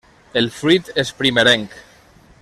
El fruit és primerenc.